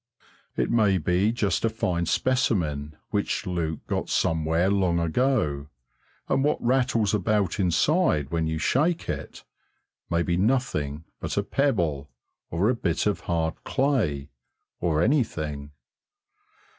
It may be just a fine specimen which Luke got somewhere long ago, and what rattles about inside when you shake it may be nothing but a pebble, or a bit of hard clay, or anything.